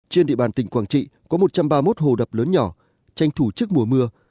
trên địa bàn tỉnh quảng trị có một trăm ba mươi một hồ đập lớn nhỏ tranh thủ trước mùa mưa